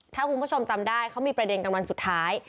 ถ้าคุณผู้ชมจำได้เขามีประเด็นกันวันสุดท้าย